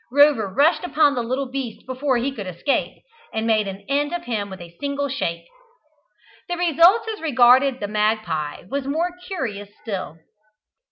Rover rushed upon the little beast before he could escape, and made an end of him with a single shake. The result as regarded the magpie was more curious still.